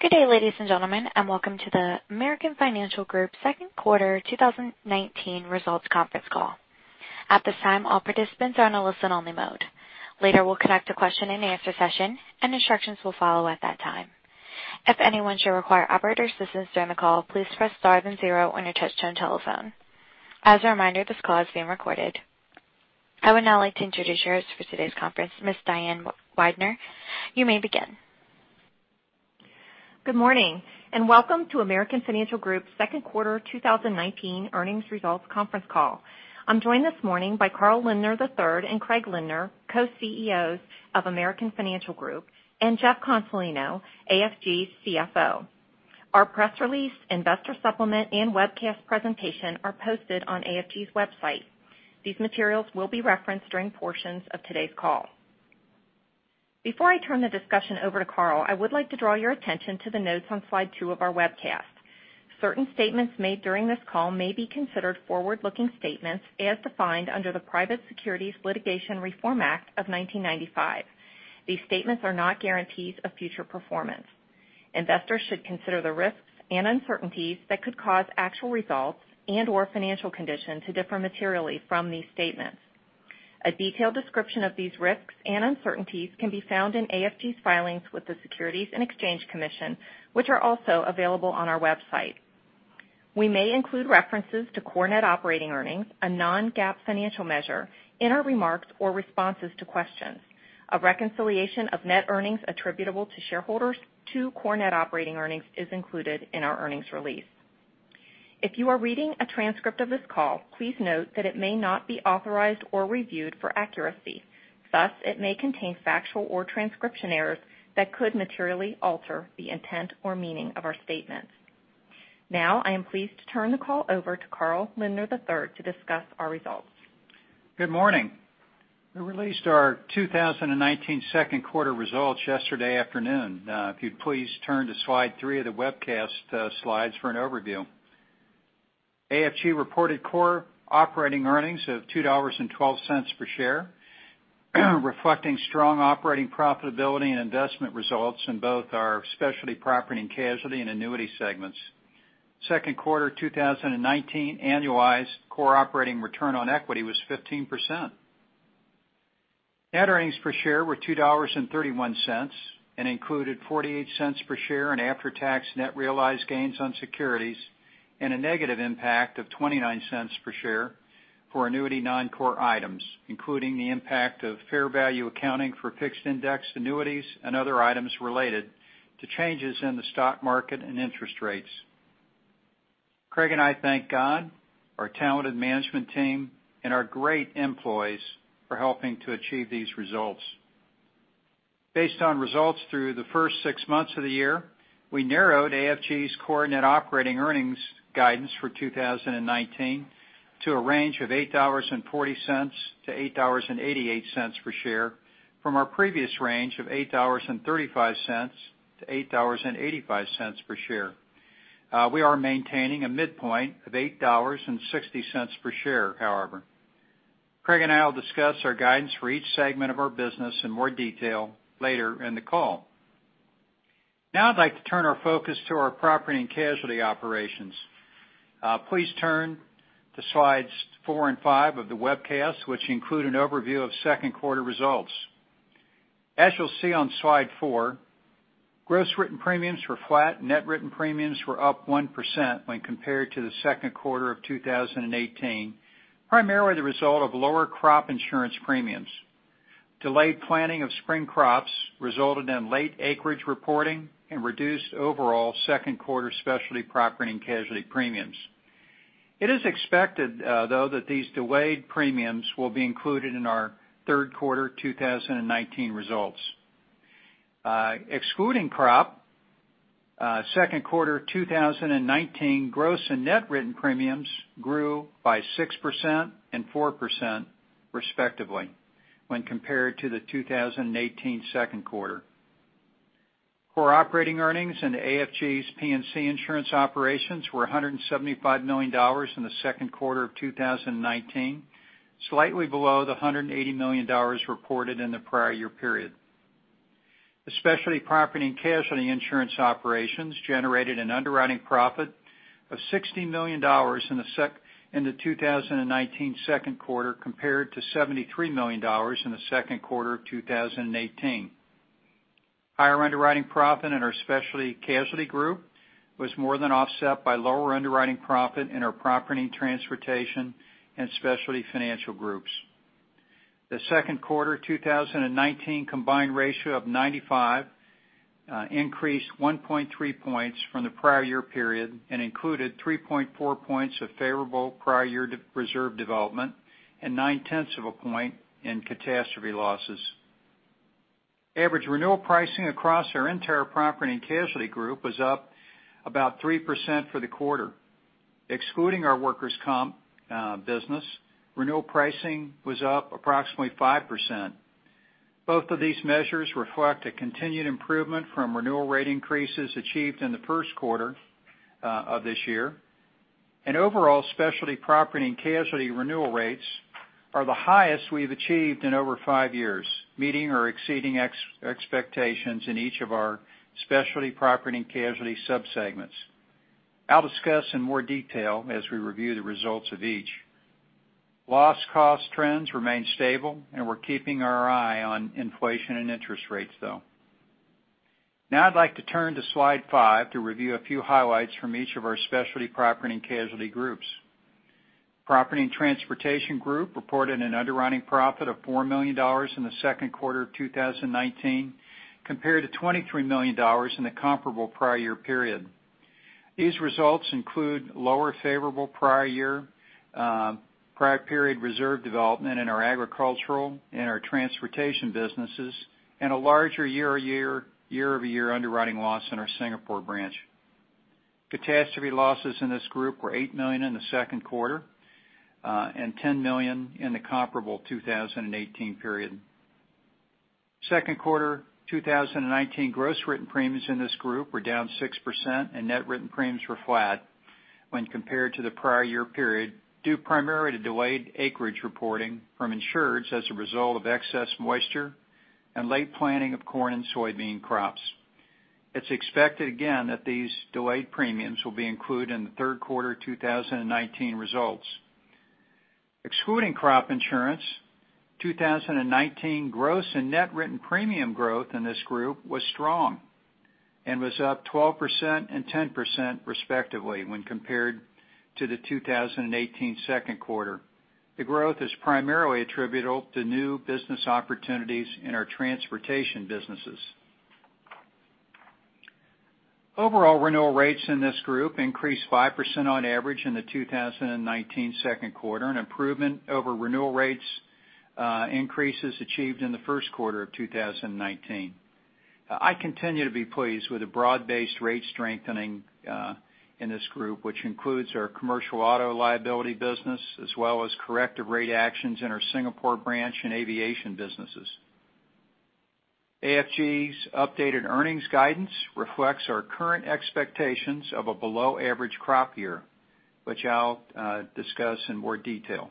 Good day, ladies and gentlemen, and welcome to the American Financial Group second quarter 2019 results conference call. At this time, all participants are on a listen-only mode. Later, we'll conduct a question and answer session, and instructions will follow at that time. If anyone should require operator assistance during the call, please press star then zero on your touch-tone telephone. As a reminder, this call is being recorded. I would now like to introduce yours for today's conference, Ms. Diane Weidner. You may begin. Good morning, and welcome to American Financial Group's second quarter 2019 earnings results conference call. I'm joined this morning by Carl Lindner III and Craig Lindner, Co-CEOs of American Financial Group, and Jeff Consolino, AFG's CFO. Our press release, investor supplement, and webcast presentation are posted on AFG's website. These materials will be referenced during portions of today's call. Before I turn the discussion over to Carl, I would like to draw your attention to the notes on slide two of our webcast. Certain statements made during this call may be considered forward-looking statements as defined under the Private Securities Litigation Reform Act of 1995. These statements are not guarantees of future performance. A detailed description of these risks and uncertainties can be found in AFG's filings with the Securities and Exchange Commission, which are also available on our website. We may include references to core net operating earnings, a non-GAAP financial measure, in our remarks or responses to questions. A reconciliation of net earnings attributable to shareholders to core net operating earnings is included in our earnings release. If you are reading a transcript of this call, please note that it may not be authorized or reviewed for accuracy. Thus, it may contain factual or transcription errors that could materially alter the intent or meaning of our statements. Now, I am pleased to turn the call over to Carl Lindner III to discuss our results. Good morning. We released our 2019 second quarter results yesterday afternoon. If you'd please turn to slide three of the webcast slides for an overview. AFG reported core operating earnings of $2.12 per share, reflecting strong operating profitability and investment results in both our specialty property and casualty and annuity segments. Second quarter 2019 annualized core operating return on equity was 15%. Net earnings per share were $2.31 and included $0.48 per share in after-tax net realized gains on securities and a negative impact of $0.29 per share for annuity non-core items, including the impact of fair value accounting for fixed-indexed annuities and other items related to changes in the stock market and interest rates. Craig and I thank God, our talented management team, and our great employees for helping to achieve these results. Based on results through the first six months of the year, we narrowed AFG's core net operating earnings guidance for 2019 to a range of $8.40-$8.88 per share from our previous range of $8.35-$8.85 per share. We are maintaining a midpoint of $8.60 per share, however. Craig and I will discuss our guidance for each segment of our business in more detail later in the call. I'd like to turn our focus to our property and casualty operations. Please turn to slides four and five of the webcast, which include an overview of second quarter results. As you'll see on slide four, gross written premiums were flat. Net written premiums were up 1% when compared to the second quarter of 2018, primarily the result of lower crop insurance premiums. Delayed planting of spring crops resulted in late acreage reporting and reduced overall second quarter specialty property and casualty premiums. It is expected, though, that these delayed premiums will be included in our third quarter 2019 results. Excluding crop, second quarter 2019 gross and net written premiums grew by 6% and 4% respectively when compared to the 2018 second quarter. Core operating earnings in AFG's P&C insurance operations were $175 million in the second quarter of 2019, slightly below the $180 million reported in the prior year period. The specialty property and casualty insurance operations generated an underwriting profit of $60 million in the 2019 second quarter, compared to $73 million in the second quarter of 2018. Higher underwriting profit in our Specialty Casualty Group was more than offset by lower underwriting profit in our Property and Transportation Group and Specialty Financial Group. The second quarter 2019 combined ratio of 95% increased 1.3 points from the prior year period and included 3.4 points of favorable prior year reserve development and nine-tenths of a point in catastrophe losses. Average renewal pricing across our entire property and casualty group was up about 3% for the quarter. Excluding our workers' compensation business, renewal pricing was up approximately 5%. Both of these measures reflect a continued improvement from renewal rate increases achieved in the first quarter of this year. Overall specialty property and casualty renewal rates are the highest we've achieved in over five years, meeting or exceeding expectations in each of our specialty property and casualty sub-segments. I'll discuss in more detail as we review the results of each. Loss cost trends remain stable, and we're keeping our eye on inflation and interest rates, though. I'd like to turn to slide five to review a few highlights from each of our specialty property and casualty groups. Property and Transportation Group reported an underwriting profit of $4 million in the second quarter of 2019, compared to $23 million in the comparable prior year period. These results include lower favorable prior period reserve development in our agricultural and our transportation businesses, and a larger year-over-year underwriting loss in our Singapore branch. Catastrophe losses in this group were $8 million in the second quarter, and $10 million in the comparable 2018 period. Second quarter 2019 gross written premiums in this group were down 6%, and net written premiums were flat when compared to the prior year period, due primarily to delayed acreage reporting from insurers as a result of excess moisture and late planting of corn and soybean crops. It's expected again that these delayed premiums will be included in the third quarter 2019 results. Excluding crop insurance, 2019 gross and net written premium growth in this group was strong and was up 12% and 10% respectively when compared to the 2018 second quarter. The growth is primarily attributable to new business opportunities in our transportation businesses. Overall renewal rates in this group increased 5% on average in the 2019 second quarter, an improvement over renewal rates increases achieved in the first quarter of 2019. I continue to be pleased with the broad-based rate strengthening in this group, which includes our commercial auto liability business, as well as corrective rate actions in our Singapore branch and aviation businesses. AFG's updated earnings guidance reflects our current expectations of a below average crop year, which I'll discuss in more detail.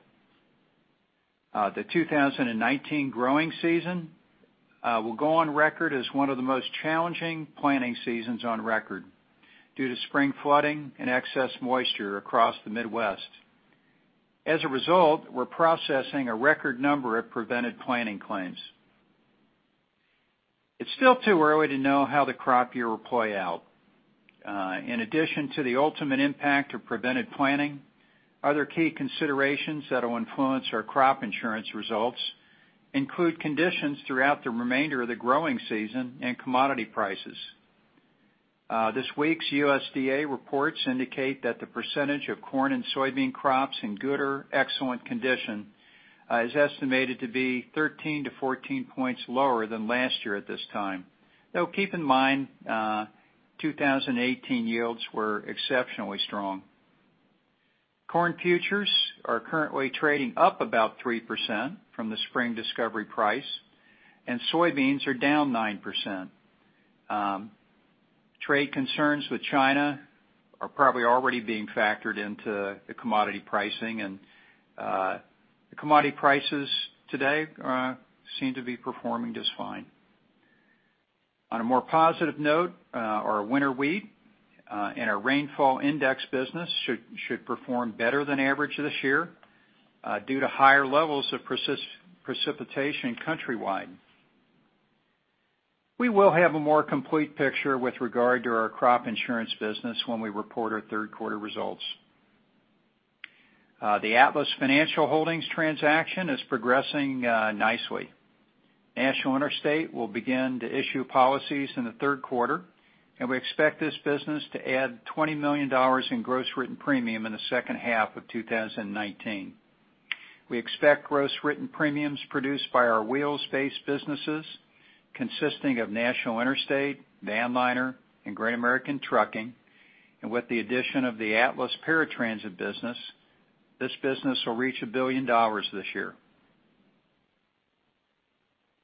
The 2019 growing season will go on record as one of the most challenging planting seasons on record due to spring flooding and excess moisture across the Midwest. As a result, we're processing a record number of prevented planting claims. It's still too early to know how the crop year will play out. In addition to the ultimate impact of prevented planting, other key considerations that will influence our crop insurance results include conditions throughout the remainder of the growing season and commodity prices. This week's USDA reports indicate that the percentage of corn and soybean crops in good or excellent condition is estimated to be 13 to 14 points lower than last year at this time. Though, keep in mind, 2018 yields were exceptionally strong. Corn futures are currently trading up about 3% from the spring discovery price, and soybeans are down 9%. Trade concerns with China are probably already being factored into the commodity pricing, and the commodity prices today seem to be performing just fine. On a more positive note, our winter wheat and our rainfall index business should perform better than average this year due to higher levels of precipitation countrywide. We will have a more complete picture with regard to our crop insurance business when we report our third quarter results. The Atlas Financial Holdings transaction is progressing nicely. National Interstate will begin to issue policies in the third quarter, and we expect this business to add $20 million in gross written premium in the second half of 2019. We expect gross written premiums produced by our Wheels-based businesses consisting of National Interstate, Vanliner, and Great American Trucking. With the addition of the Atlas Paratransit business, this business will reach $1 billion this year.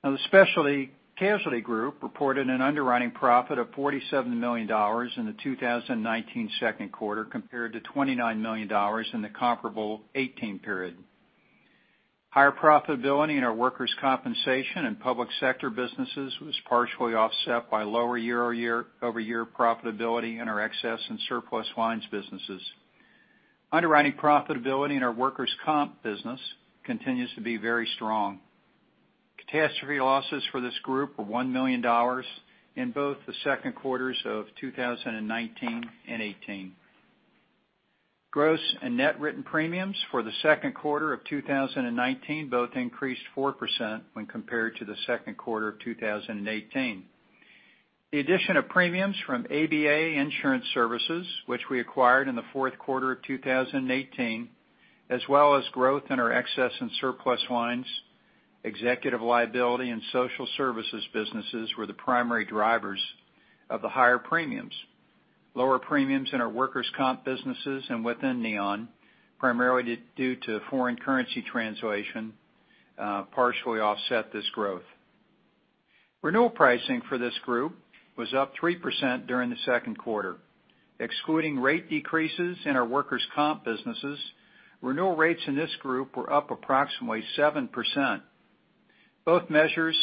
The Specialty Casualty Group reported an underwriting profit of $47 million in the 2019 second quarter compared to $29 million in the comparable 2018 period. Higher profitability in our workers' compensation and public sector businesses was partially offset by lower year-over-year profitability in our excess and surplus lines businesses. Underwriting profitability in our workers' comp business continues to be very strong. Catastrophe losses for this group were $1 million in both the second quarters of 2019 and 2018. Gross and net written premiums for the second quarter of 2019 both increased 4% when compared to the second quarter of 2018. The addition of premiums from ABA Insurance Services, which we acquired in the fourth quarter of 2018, as well as growth in our excess and surplus lines, executive liability, and social services businesses were the primary drivers of the higher premiums. Lower premiums in our workers' comp businesses and within Neon, primarily due to foreign currency translation, partially offset this growth. Renewal pricing for this group was up 3% during the second quarter. Excluding rate decreases in our workers' comp businesses, renewal rates in this group were up approximately 7%. Both measures,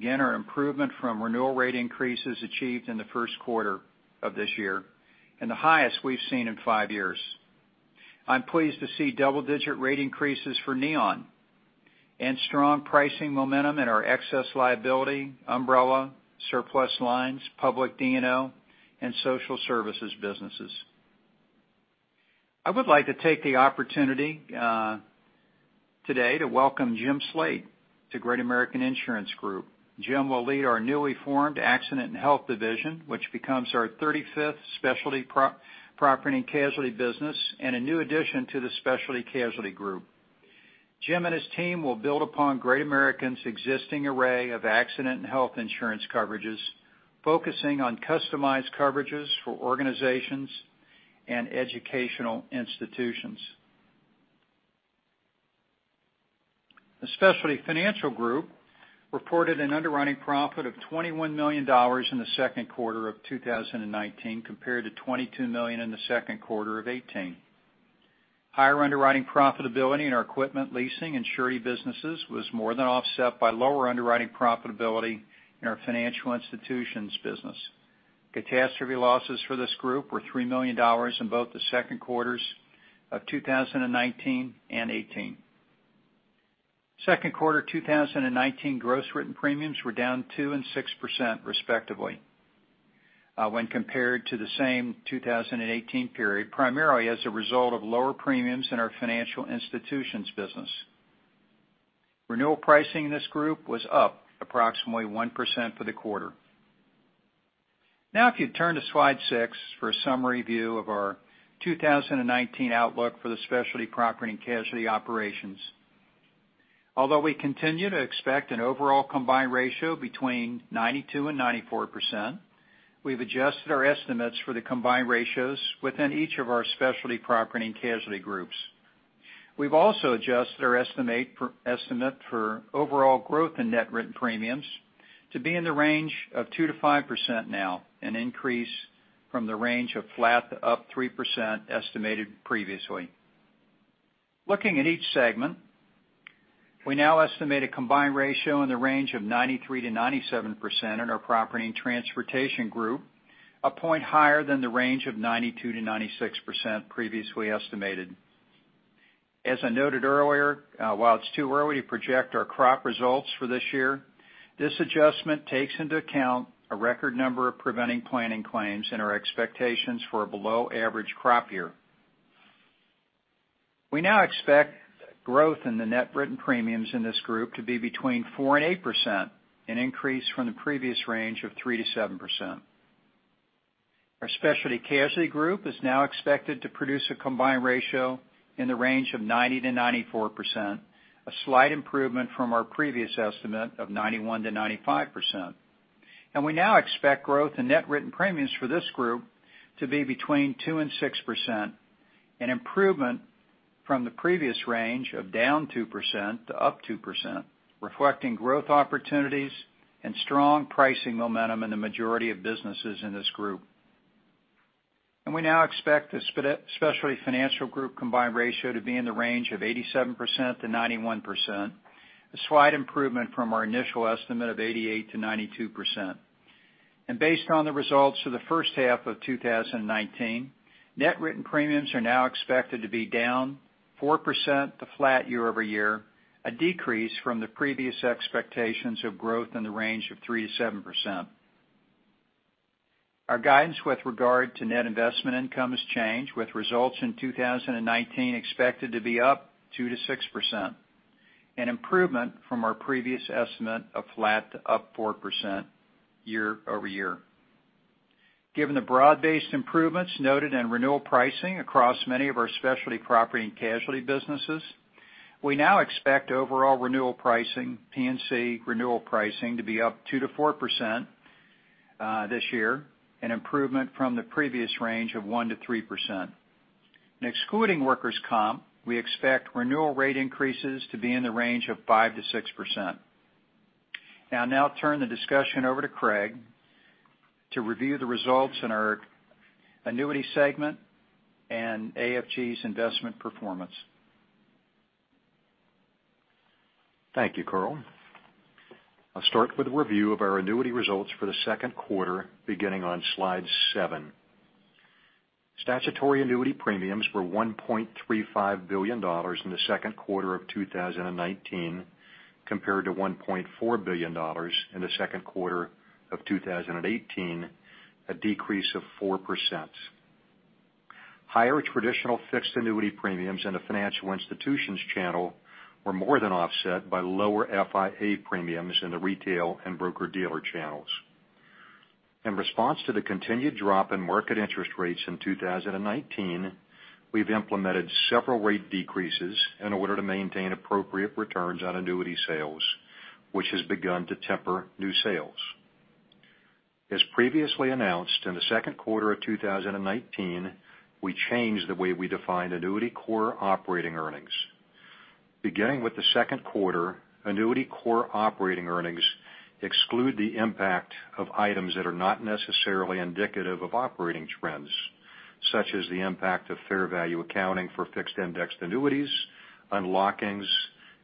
again, are improvement from renewal rate increases achieved in the first quarter of this year and the highest we've seen in 5 years. I'm pleased to see double-digit rate increases for Neon and strong pricing momentum in our excess liability, umbrella, surplus lines, public D&O, and social services businesses. I would like to take the opportunity today to welcome Jim Slate to Great American Insurance Group. Jim will lead our newly formed Accident and Health division, which becomes our 35th specialty property and casualty business and a new addition to the Specialty Casualty Group. Jim and his team will build upon Great American's existing array of Accident and Health insurance coverages, focusing on customized coverages for organizations and educational institutions. The Specialty Financial Group reported an underwriting profit of $21 million in the second quarter of 2019, compared to $22 million in the second quarter of 2018. Higher underwriting profitability in our equipment leasing and surety businesses was more than offset by lower underwriting profitability in our financial institutions business. Catastrophe losses for this group were $3 million in both the second quarters of 2019 and 2018. Second quarter 2019 gross written premiums were down 2% and 6% respectively, when compared to the same 2018 period, primarily as a result of lower premiums in our financial institutions business. Renewal pricing in this group was up approximately 1% for the quarter. If you turn to slide six for a summary view of our 2019 outlook for the Specialty Property and Casualty operations. Although we continue to expect an overall combined ratio between 92% and 94%, we've adjusted our estimates for the combined ratios within each of our specialty property and casualty groups. We've also adjusted our estimate for overall growth in net written premiums to be in the range of 2%-5% now, an increase from the range of flat to up 3% estimated previously. Looking at each segment, we now estimate a combined ratio in the range of 93%-97% in our Property and Transportation Group, a point higher than the range of 92%-96% previously estimated. As I noted earlier, while it's too early to project our crop results for this year, this adjustment takes into account a record number of prevented planting claims and our expectations for a below average crop year. We now expect growth in the net written premiums in this group to be between 4% and 8%, an increase from the previous range of 3%-7%. Our Specialty Casualty Group is now expected to produce a combined ratio in the range of 90%-94%, a slight improvement from our previous estimate of 91%-95%. We now expect growth in net written premiums for this group to be between 2% and 6%, an improvement from the previous range of down 2% to up 2%, reflecting growth opportunities and strong pricing momentum in the majority of businesses in this group. We now expect the Specialty Financial Group combined ratio to be in the range of 87%-91%, a slight improvement from our initial estimate of 88%-92%. Based on the results for the first half of 2019, net written premiums are now expected to be down 4% to flat year-over-year, a decrease from the previous expectations of growth in the range of 3%-7%. Our guidance with regard to net investment income has changed, with results in 2019 expected to be up 2%-6%, an improvement from our previous estimate of flat to up 4% year-over-year. Given the broad-based improvements noted in renewal pricing across many of our specialty property and casualty businesses, we now expect overall renewal pricing, P&C renewal pricing, to be up 2%-4% this year, an improvement from the previous range of 1%-3%. Excluding workers' comp, we expect renewal rate increases to be in the range of 5%-6%. I'll now turn the discussion over to Craig to review the results in our annuity segment and AFG's investment performance. Thank you, Carl. I'll start with a review of our annuity results for the second quarter, beginning on slide seven. Statutory annuity premiums were $1.35 billion in the second quarter of 2019, compared to $1.4 billion in the second quarter of 2018, a decrease of 4%. Higher traditional fixed annuity premiums in the financial institutions channel were more than offset by lower FIA premiums in the retail and broker-dealer channels. In response to the continued drop in market interest rates in 2019, we've implemented several rate decreases in order to maintain appropriate returns on annuity sales, which has begun to temper new sales. As previously announced in the second quarter of 2019, we changed the way we define annuity core operating earnings. Beginning with the second quarter, annuity core operating earnings exclude the impact of items that are not necessarily indicative of operating trends, such as the impact of fair value accounting for fixed-indexed annuities, unlockings,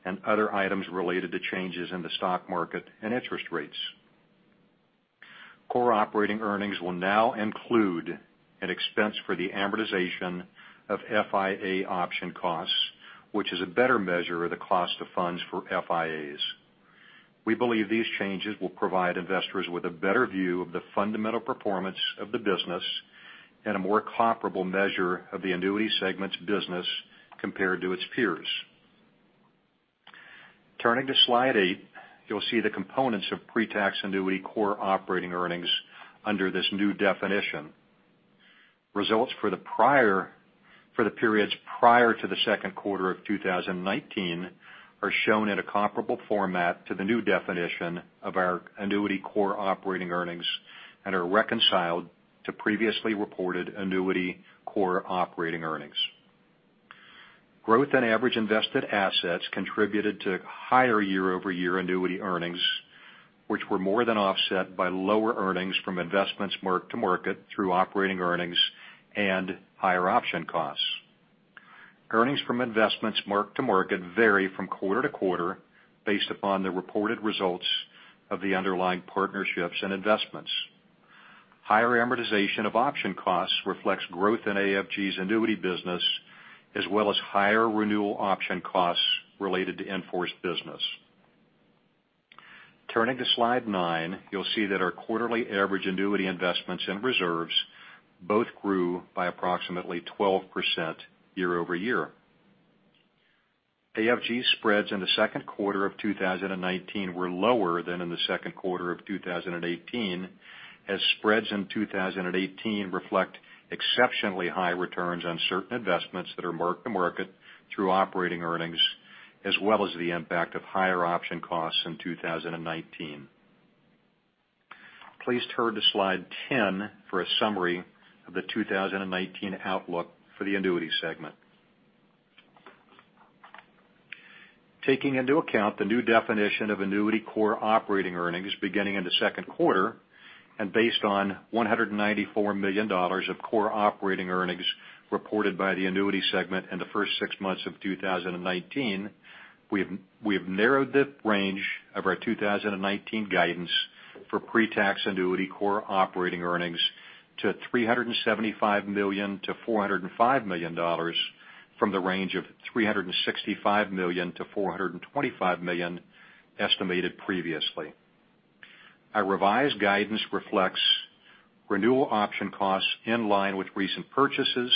and other items related to changes in the stock market and interest rates. Core operating earnings will now include an expense for the amortization of FIA option costs, which is a better measure of the cost of funds for FIAs. We believe these changes will provide investors with a better view of the fundamental performance of the business and a more comparable measure of the annuity segment's business compared to its peers. Turning to slide eight, you'll see the components of pre-tax annuity core operating earnings under this new definition. Results for the periods prior to the second quarter of 2019 are shown in a comparable format to the new definition of our annuity core operating earnings and are reconciled to previously reported annuity core operating earnings. Growth in average invested assets contributed to higher year-over-year annuity earnings, which were more than offset by lower earnings from investments mark-to-market through operating earnings and higher option costs. Earnings from investments mark-to-market vary from quarter to quarter based upon the reported results of the underlying partnerships and investments. Higher amortization of option costs reflects growth in AFG's annuity business, as well as higher renewal option costs related to in-force business. Turning to slide nine, you'll see that our quarterly average annuity investments and reserves both grew by approximately 12% year-over-year. AFG spreads in the second quarter of 2019 were lower than in the second quarter of 2018, as spreads in 2018 reflect exceptionally high returns on certain investments that are mark-to-market through operating earnings, as well as the impact of higher option costs in 2019. Please turn to slide 10 for a summary of the 2019 outlook for the annuity segment. Taking into account the new definition of annuity core operating earnings beginning in the second quarter, and based on $194 million of core operating earnings reported by the annuity segment in the first six months of 2019, we have narrowed the range of our 2019 guidance for pre-tax annuity core operating earnings to $375 million-$405 million from the range of $365 million-$425 million estimated previously. Our revised guidance reflects renewal option costs in line with recent purchases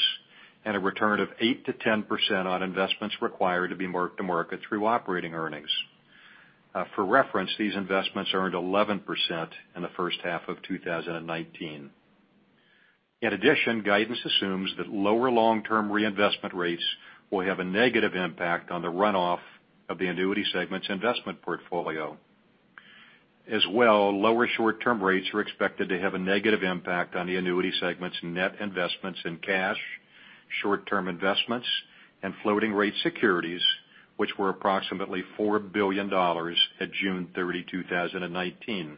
and a return of 8%-10% on investments required to be mark-to-market through operating earnings. For reference, these investments earned 11% in the first half of 2019. In addition, guidance assumes that lower long-term reinvestment rates will have a negative impact on the runoff of the annuity segment's investment portfolio. As well, lower short-term rates are expected to have a negative impact on the annuity segment's net investments in cash, short-term investments, and floating rate securities, which were approximately $4 billion at June 30, 2019.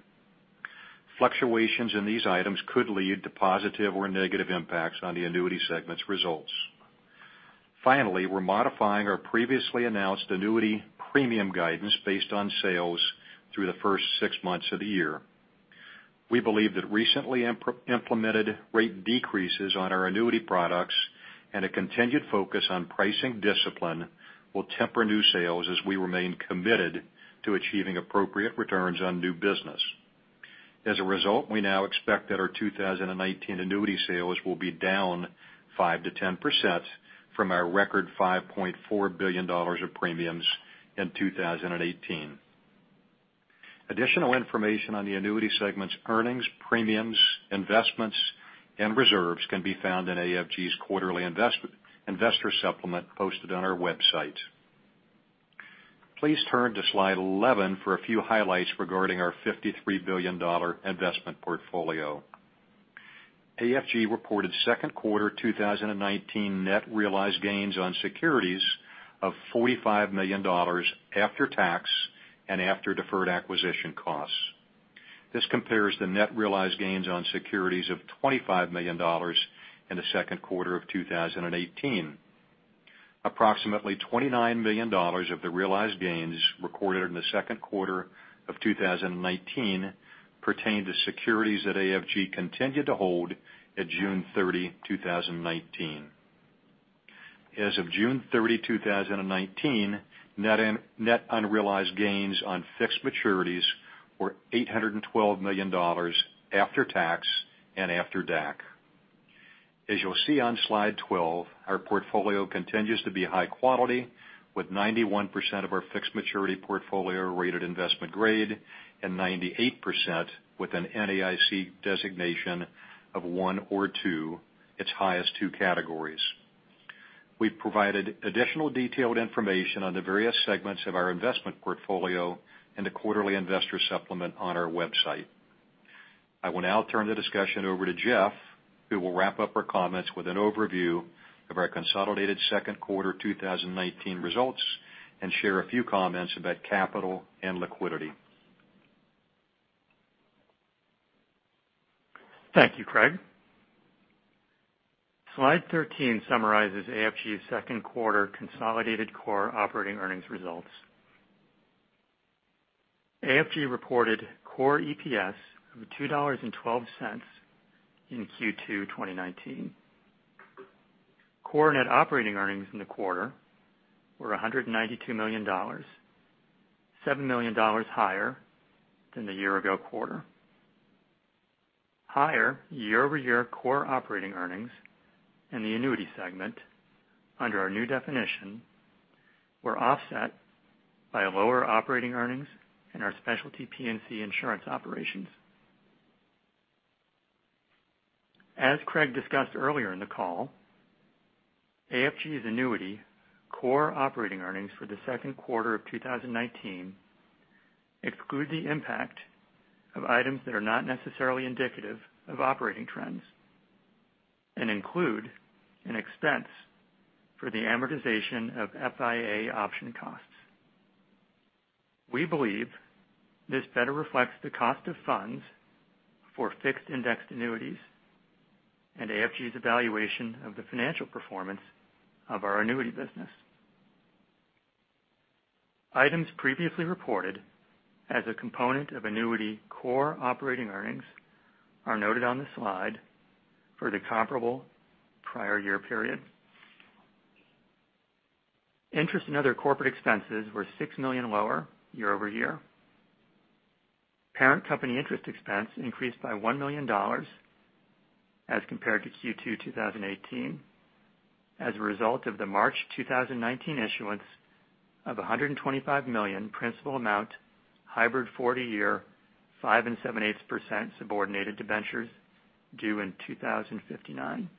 Fluctuations in these items could lead to positive or negative impacts on the annuity segment's results. Finally, we're modifying our previously announced annuity premium guidance based on sales through the first six months of the year. We believe that recently implemented rate decreases on our annuity products and a continued focus on pricing discipline will temper new sales as we remain committed to achieving appropriate returns on new business. As a result, we now expect that our 2019 annuity sales will be down 5%-10% from our record $5.4 billion of premiums in 2018. Additional information on the annuity segment's earnings, premiums, investments, and reserves can be found in AFG's quarterly investor supplement posted on our website. Please turn to slide 11 for a few highlights regarding our $53 billion investment portfolio. AFG reported second quarter 2019 net realized gains on securities of $45 million after tax and after deferred acquisition costs. This compares to net realized gains on securities of $25 million in the second quarter of 2018. Approximately $29 million of the realized gains recorded in the second quarter of 2019 pertain to securities that AFG continued to hold at June 30, 2019. As of June 30, 2019, net unrealized gains on fixed maturities were $812 million after tax and after DAC. As you'll see on slide 12, our portfolio continues to be high quality, with 91% of our fixed maturity portfolio rated investment grade and 98% with an NAIC designation of 1 or 2, its highest 2 categories. We've provided additional detailed information on the various segments of our investment portfolio in the quarterly investor supplement on our website. I will now turn the discussion over to Jeff, who will wrap up our comments with an overview of our consolidated second quarter 2019 results and share a few comments about capital and liquidity. Thank you, Craig. Slide 13 summarizes AFG's second quarter consolidated core operating earnings results. AFG reported core EPS of $2.12 in Q2 2019. Core net operating earnings in the quarter were $192 million, $7 million higher than the year-ago quarter. Higher year-over-year core operating earnings in the annuity segment under our new definition were offset by lower operating earnings in our specialty P&C insurance operations. As Craig discussed earlier in the call, AFG's annuity core operating earnings for the second quarter of 2019 exclude the impact of items that are not necessarily indicative of operating trends and include an expense for the amortization of FIA option costs. We believe this better reflects the cost of funds for fixed-indexed annuities and AFG's evaluation of the financial performance of our annuity business. Items previously reported as a component of annuity core operating earnings are noted on the slide for the comparable prior year period. Interest in other corporate expenses were $6 million lower year-over-year. Parent company interest expense increased by $1 million as compared to Q2 2018 as a result of the March 2019 issuance of $125 million principal amount hybrid 40-year 5.87% subordinated debentures due in 2059.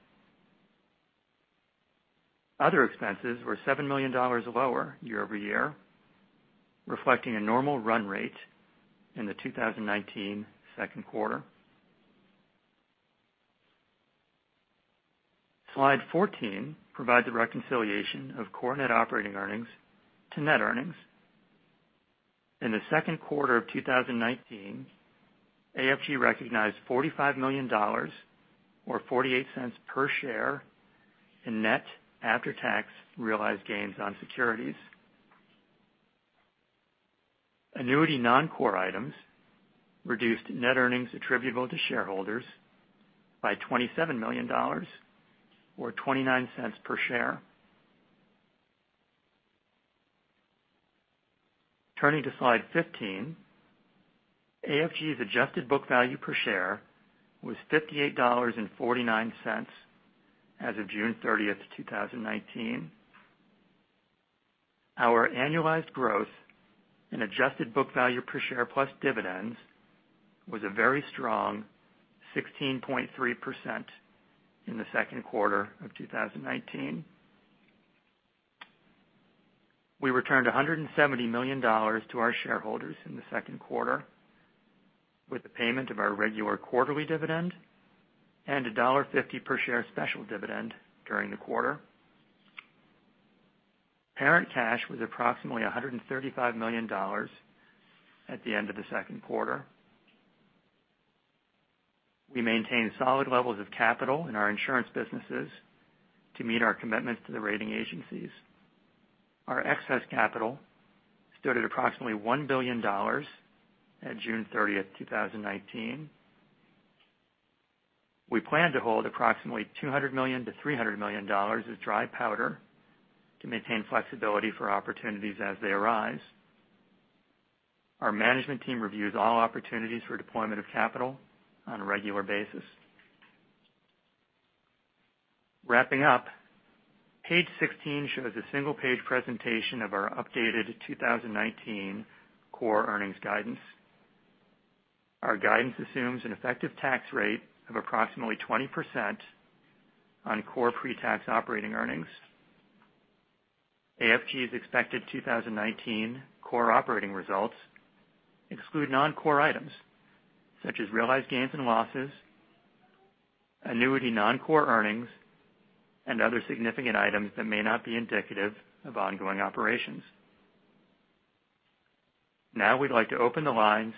Other expenses were $7 million lower year-over-year, reflecting a normal run rate in the 2019 second quarter. Slide 14 provides a reconciliation of core net operating earnings to net earnings. In the second quarter of 2019, AFG recognized $45 million or $0.48 per share in net after-tax realized gains on securities. Annuity non-core items reduced net earnings attributable to shareholders by $27 million or $0.29 per share. Turning to slide 15, AFG's adjusted book value per share was $58.49 as of June 30th, 2019. Our annualized growth in adjusted book value per share plus dividends was a very strong 16.3% in the second quarter of 2019. We returned $170 million to our shareholders in the second quarter with the payment of our regular quarterly dividend and $1.50 per share special dividend during the quarter. Parent cash was approximately $135 million at the end of the second quarter. We maintain solid levels of capital in our insurance businesses to meet our commitments to the rating agencies. Our excess capital stood at approximately $1 billion at June 30th, 2019. We plan to hold approximately $200 million-$300 million of dry powder to maintain flexibility for opportunities as they arise. Our management team reviews all opportunities for deployment of capital on a regular basis. Wrapping up, page 16 shows a single-page presentation of our updated 2019 core earnings guidance. Our guidance assumes an effective tax rate of approximately 20% on core pre-tax operating earnings. AFG's expected 2019 core operating results exclude non-core items such as realized gains and losses, annuity non-core earnings, and other significant items that may not be indicative of ongoing operations. Now we'd like to open the lines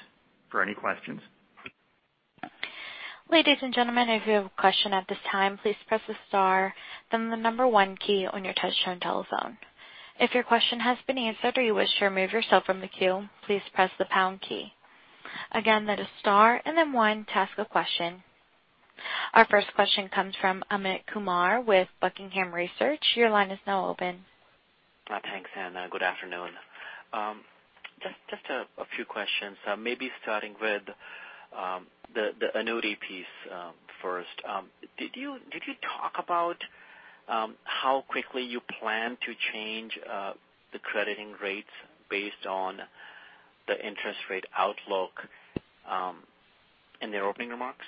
for any questions. Ladies and gentlemen, if you have a question at this time, please press the star then the number one key on your touchtone telephone. If your question has been answered or you wish to remove yourself from the queue, please press the pound key. Again, that is star and then one to ask a question. Our first question comes from Amit Kumar with Buckingham Research. Your line is now open. Thanks, Hannah. Good afternoon. Just a few questions, maybe starting with the annuity piece first. Did you talk about how quickly you plan to change the crediting rates based on the interest rate outlook in their opening remarks?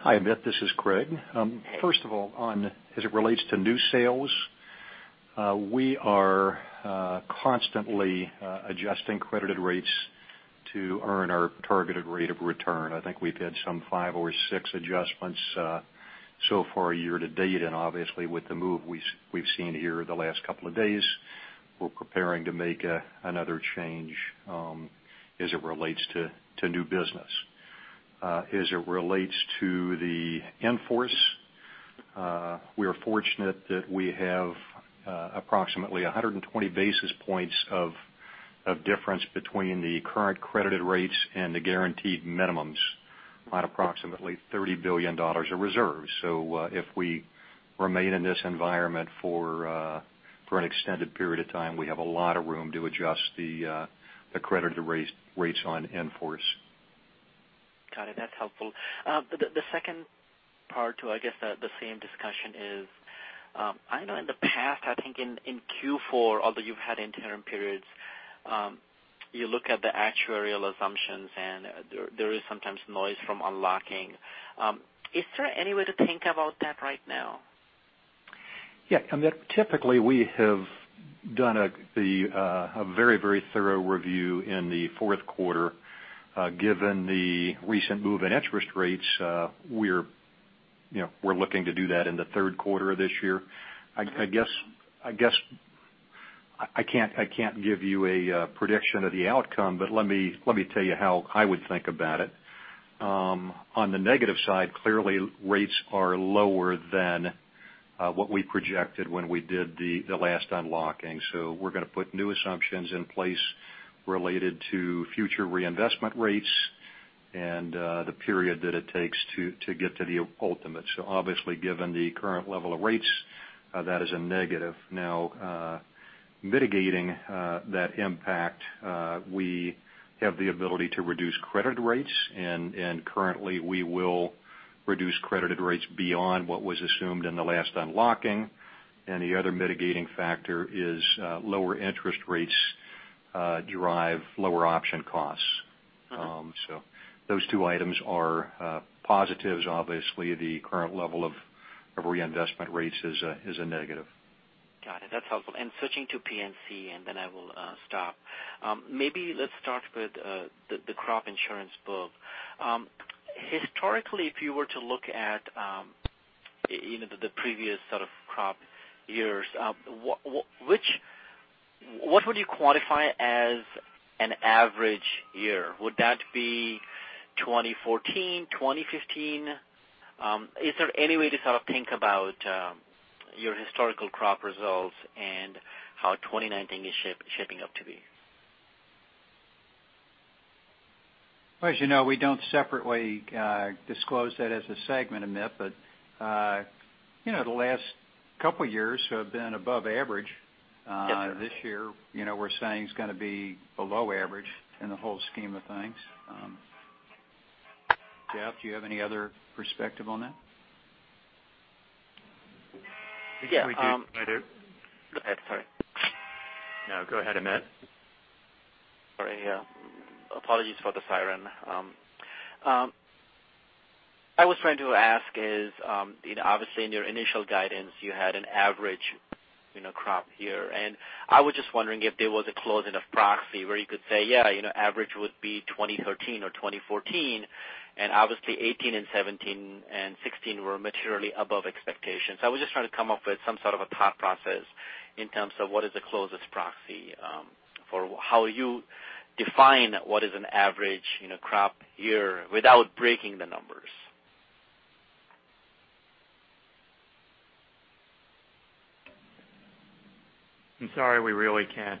Hi, Amit. This is Craig. First of all, as it relates to new sales, we are constantly adjusting credited rates to earn our targeted rate of return. I think we've had some five or six adjustments so far year to date, and obviously with the move we've seen here the last couple of days, we're preparing to make another change as it relates to new business. As it relates to the in-force, we are fortunate that we have approximately 120 basis points of difference between the current credited rates and the guaranteed minimums on approximately $30 billion of reserves. If we remain in this environment for an extended period of time, we have a lot of room to adjust the credited rates on in-force. Got it. That's helpful. The second part to, I guess, the same discussion is I know in the past, I think in Q4, although you've had interim periods, you look at the actuarial assumptions, and there is sometimes noise from unlocking. Is there any way to think about that right now? Yeah, Amit. Typically, we have done a very thorough review in the fourth quarter. Given the recent move in interest rates, we're looking to do that in the third quarter of this year. I guess I can't give you a prediction of the outcome, but let me tell you how I would think about it. On the negative side, clearly rates are lower than what we projected when we did the last unlocking. We're going to put new assumptions in place related to future reinvestment rates and the period that it takes to get to the ultimate. Obviously, given the current level of rates, that is a negative. Now, mitigating that impact, we have the ability to reduce credit rates, and currently, we will reduce credited rates beyond what was assumed in the last unlocking. The other mitigating factor is lower interest rates derive lower option costs. Those two items are positives. Obviously, the current level of reinvestment rates is a negative. Got it. That's helpful. Switching to P&C, and then I will stop. Maybe let's start with the crop insurance book. Historically, if you were to look at the previous sort of crop years, what would you quantify as an average year? Would that be 2014, 2015? Is there any way to sort of think about your historical crop results and how 2019 is shaping up to be? As you know, we don't separately disclose that as a segment, Amit, but the last couple of years have been above average. Yes, sir. This year, we're saying it's going to be below average in the whole scheme of things. Jeff, do you have any other perspective on that? Yeah. We do. Go ahead. Sorry. Go ahead, Amit. Sorry. Apologies for the siren. I was trying to ask is, obviously in your initial guidance, you had an average crop year, and I was just wondering if there was a close enough proxy where you could say, yeah, average would be 2013 or 2014, and obviously 2018 and 2017 and 2016 were materially above expectations? I was just trying to come up with some sort of a thought process in terms of what is the closest proxy for how you define what is an average crop year without breaking the numbers. I'm sorry, we really can't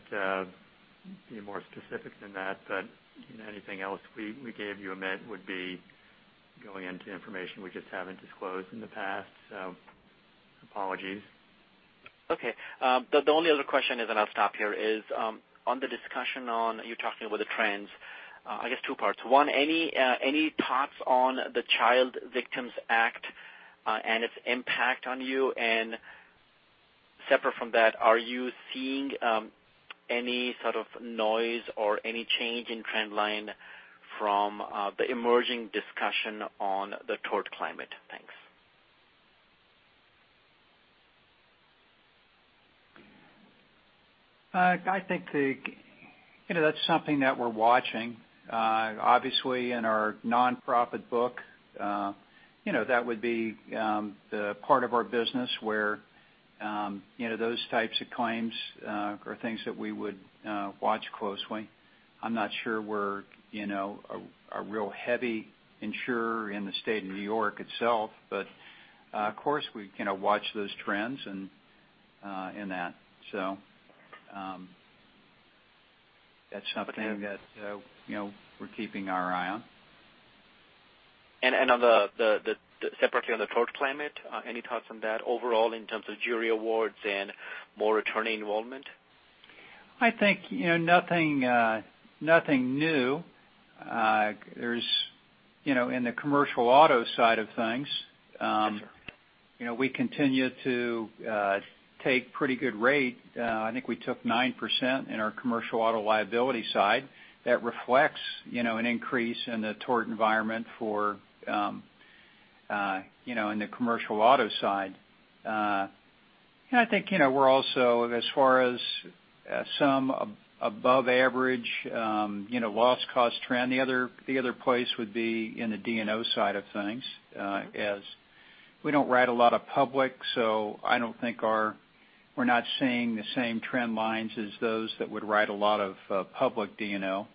be more specific than that, but anything else we gave you, Amit, would be going into information we just haven't disclosed in the past, so apologies. Okay. The only other question is, and I'll stop here, is on the discussion on you talking about the trends, I guess two parts. One, any thoughts on the Child Victims Act, and its impact on you? Separate from that, are you seeing any sort of noise or any change in trend line from the emerging discussion on the tort climate? Thanks. That's something that we're watching. Obviously, in our non-profit book, that would be the part of our business where those types of claims are things that we would watch closely. I'm not sure we're a real heavy insurer in the state of New York itself, but of course, we watch those trends in that. That's something that we're keeping our eye on. Separately on the tort climate, any thoughts on that overall in terms of jury awards and more attorney involvement? I think nothing new. In the commercial auto side of things. We continue to take pretty good rate. I think we took 9% in our commercial auto liability side. That reflects an increase in the tort environment in the commercial auto side. I think we're also, as far as some above average loss cost trend, the other place would be in the D&O side of things, as we don't write a lot of public, so we're not seeing the same trend lines as those that would write a lot of public D&O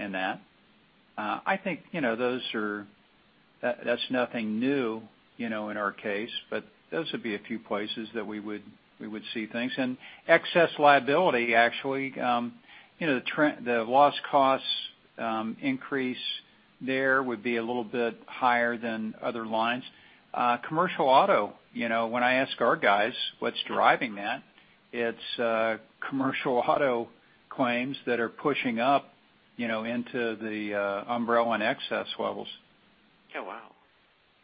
in that. I think that's nothing new in our case. Those would be a few places that we would see things. Excess liability, actually, the loss costs increase there would be a little bit higher than other lines. Commercial auto, when I ask our guys what's driving that, it's commercial auto claims that are pushing up into the umbrella and excess levels. Yeah, wow.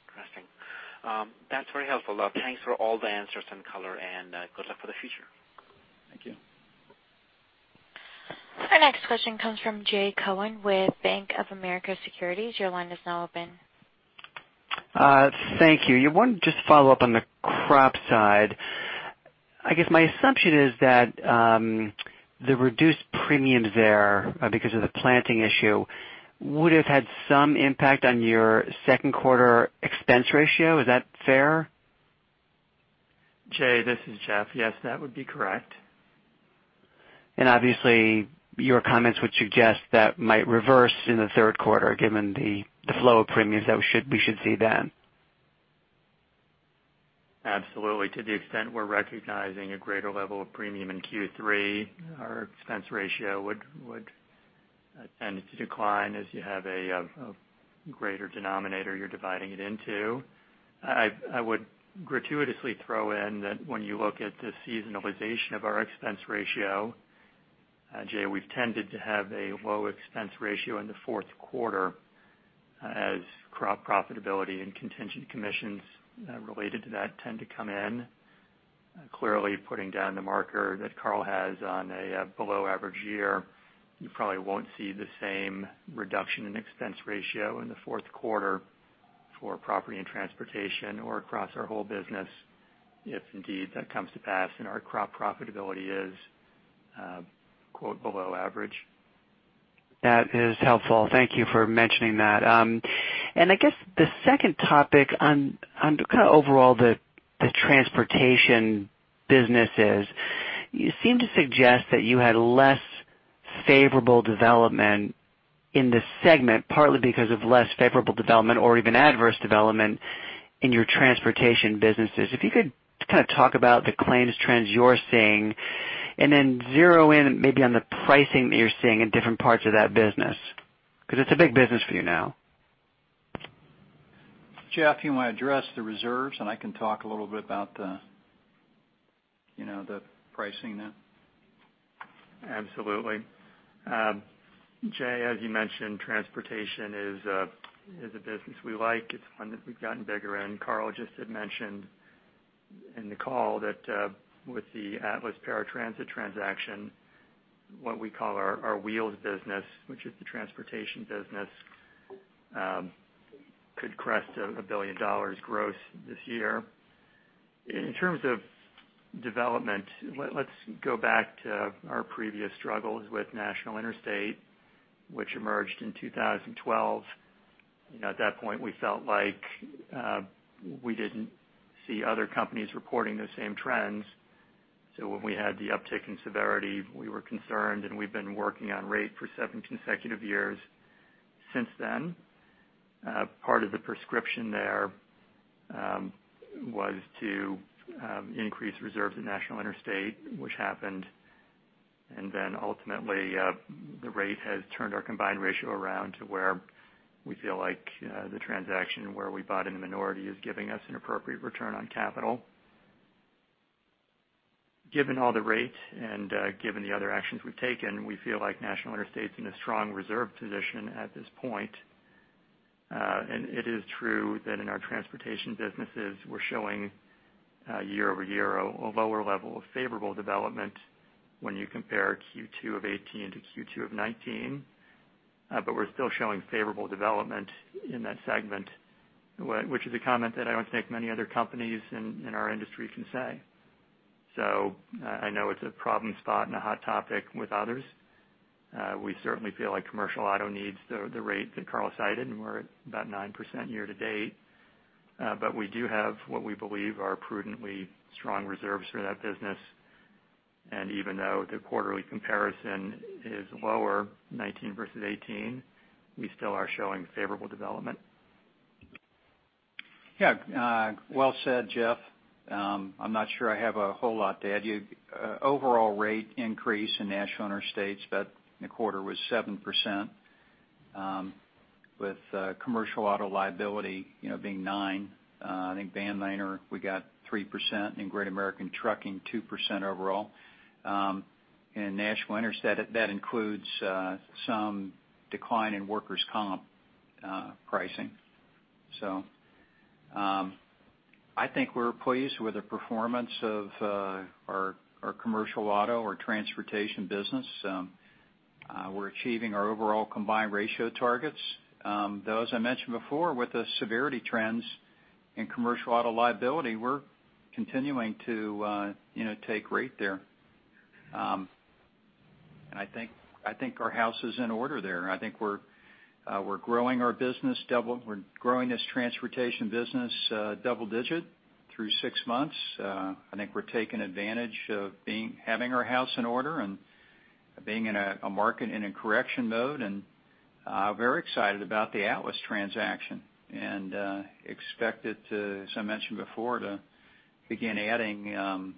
Interesting. That's very helpful. Thanks for all the answers and color. Good luck for the future. Thank you. Our next question comes from Jay Cohen with Bank of America Securities. Your line is now open. Thank you. I wanted to just follow up on the crop side. I guess my assumption is that the reduced premiums there because of the planting issue would've had some impact on your second quarter expense ratio. Is that fair? Jay, this is Jeff. Yes, that would be correct. Obviously, your comments would suggest that might reverse in the third quarter, given the flow of premiums that we should see then. Absolutely. To the extent we're recognizing a greater level of premium in Q3, our expense ratio would tend to decline as you have a greater denominator you're dividing it into. I would gratuitously throw in that when you look at the seasonalization of our expense ratio, Jay, we've tended to have a low expense ratio in the fourth quarter as crop profitability and contingent commissions related to that tend to come in. Clearly putting down the marker that Carl has on a below average year, you probably won't see the same reduction in expense ratio in the fourth quarter for Property and Transportation or across our whole business if indeed that comes to pass and our crop profitability is "below average. That is helpful. Thank you for mentioning that. I guess the second topic on kind of overall the transportation businesses, you seem to suggest that you had less favorable development in this segment, partly because of less favorable development or even adverse development in your transportation businesses. If you could kind of talk about the claims trends you're seeing, and then zero in maybe on the pricing that you're seeing in different parts of that business, because it's a big business for you now. Jeff, you want to address the reserves, I can talk a little bit about the pricing then? Absolutely. Jay, as you mentioned, transportation is a business we like. It's one that we've gotten bigger in. Carl just had mentioned in the call that with the Atlas Paratransit transaction, what we call our Wheels business, which is the transportation business, could crest $1 billion gross this year. In terms of development, let's go back to our previous struggles with National Interstate, which emerged in 2012. At that point, we felt like we didn't see other companies reporting those same trends. When we had the uptick in severity, we were concerned, we've been working on rate for seven consecutive years since then. Part of the prescription there was to increase reserves at National Interstate, which happened, ultimately, the rate has turned our combined ratio around to where we feel like the transaction where we bought in the minority is giving us an appropriate return on capital. Given all the rate and given the other actions we've taken, we feel like National Interstate's in a strong reserve position at this point. It is true that in our transportation businesses, we're showing year-over-year a lower level of favorable development when you compare Q2 2018 to Q2 2019. We're still showing favorable development in that segment, which is a comment that I don't think many other companies in our industry can say. I know it's a problem spot and a hot topic with others. We certainly feel like commercial auto needs the rate that Carl cited, and we're at about 9% year to date. We do have what we believe are prudently strong reserves for that business. Even though the quarterly comparison is lower, 2019 versus 2018, we still are showing favorable development. Yeah. Well said, Jeff. I'm not sure I have a whole lot to add. Overall rate increase in National Interstate in the quarter was 7%, with commercial auto liability being 9%. I think Vanliner, we got 3%, and Great American Trucking, 2% overall. In National Interstate, that includes some decline in workers' comp pricing. I think we're pleased with the performance of our commercial auto or transportation business. We're achieving our overall combined ratio targets. Though, as I mentioned before, with the severity trends in commercial auto liability, we're continuing to take rate there. I think our house is in order there, and I think we're growing this transportation business double-digit through six months. I think we're taking advantage of having our house in order and being in a market in a correction mode, and very excited about the Atlas transaction and expect it to, as I mentioned before, to begin adding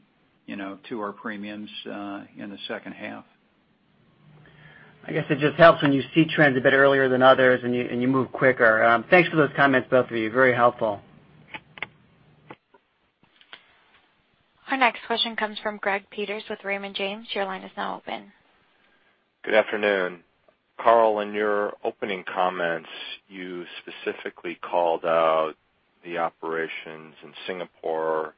to our premiums in the second half. I guess it just helps when you see trends a bit earlier than others and you move quicker. Thanks for those comments, both of you. Very helpful. Our next question comes from Greg Peters with Raymond James. Your line is now open. Good afternoon. Carl, in your opening comments, you specifically called out the operations in Singapore,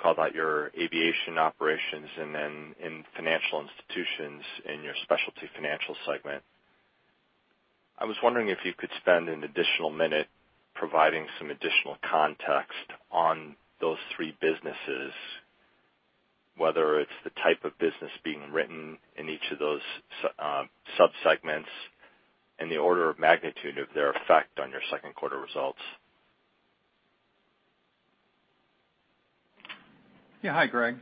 called out your aviation operations, and then in financial institutions in your Specialty Financial segment. I was wondering if you could spend an additional minute providing some additional context on those three businesses, whether it's the type of business being written in each of those sub-segments and the order of magnitude of their effect on your second quarter results. Yeah. Hi, Greg.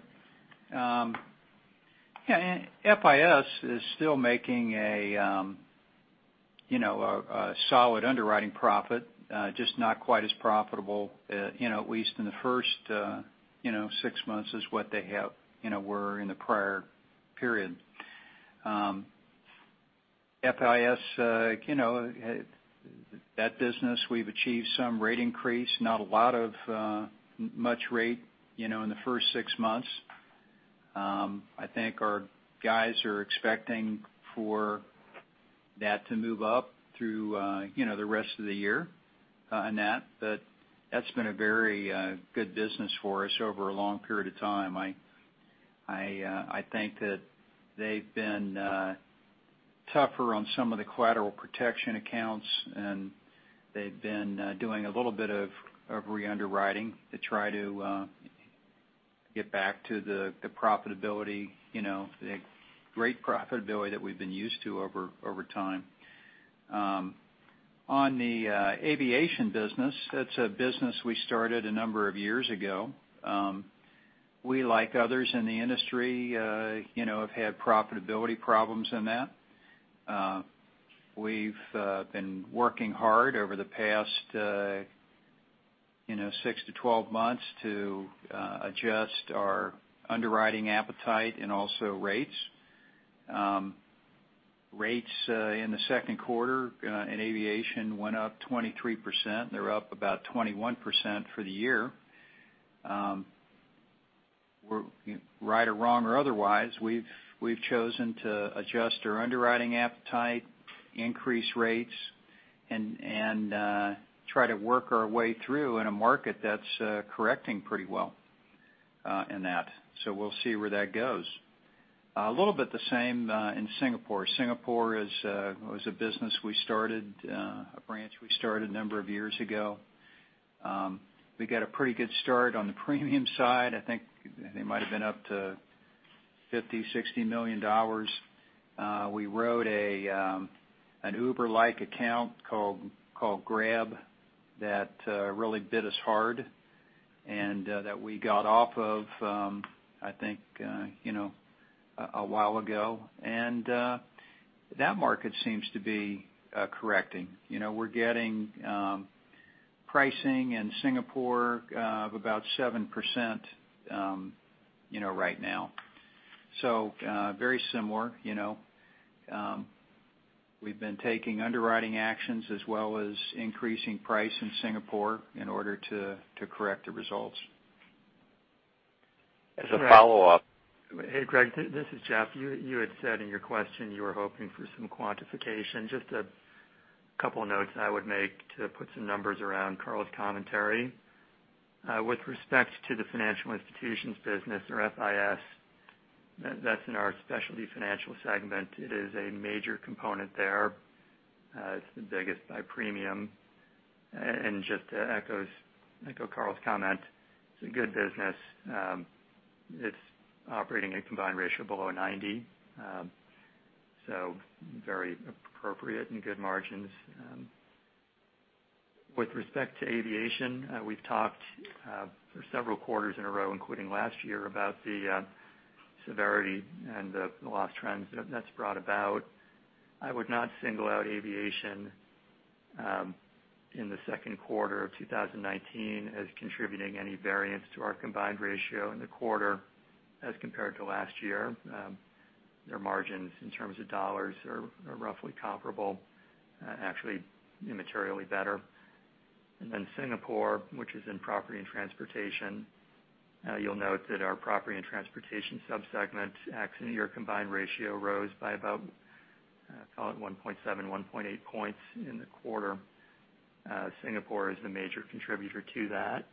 FIS is still making a solid underwriting profit, just not quite as profitable at least in the first six months as what they were in the prior period. FIS, that business, we've achieved some rate increase, not a lot of much rate in the first six months. I think our guys are expecting for that to move up through the rest of the year in that. That's been a very good business for us over a long period of time. I think that they've been tougher on some of the Collateral Protection accounts, and they've been doing a little bit of re-underwriting to try to get back to the profitability, the great profitability that we've been used to over time. On the aviation business, that's a business we started a number of years ago. We, like others in the industry, have had profitability problems in that. We've been working hard over the past six to 12 months to adjust our underwriting appetite and also rates. Rates in the second quarter in aviation went up 23%. They're up about 21% for the year. Right or wrong or otherwise, we've chosen to adjust our underwriting appetite, increase rates, and try to work our way through in a market that's correcting pretty well in that. We'll see where that goes. A little bit the same in Singapore. Singapore was a business we started, a branch we started a number of years ago. We got a pretty good start on the premium side. I think they might've been up to $50, $60 million. We wrote an Uber-like account called Grab that really bit us hard, and that we got off of, I think, a while ago. That market seems to be correcting. We're getting pricing in Singapore of about 7% right now. Very similar. We've been taking underwriting actions as well as increasing price in Singapore in order to correct the results. As a follow-up- Hey, Greg, this is Jeff. You had said in your question you were hoping for some quantification. Just a couple of notes I would make to put some numbers around Carl's commentary. With respect to the financial institutions business, or FIS, that's in our Specialty Financial Group segment. It is a major component there. It's the biggest by premium. Just to echo Carl's comment, it's a good business. It's operating a combined ratio below 90, so very appropriate and good margins. With respect to aviation, we've talked for several quarters in a row, including last year, about the severity and the loss trends that that's brought about. I would not single out aviation in the second quarter of 2019 as contributing any variance to our combined ratio in the quarter as compared to last year. Their margins in terms of $ are roughly comparable, actually materially better. Singapore, which is in Property and Transportation Group, you'll note that our Property and Transportation Group sub-segment accident year combined ratio rose by about I call it 1.7, 1.8 points in the quarter. Singapore is the major contributor to that